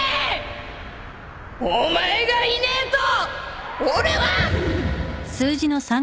お前がいねえと俺は！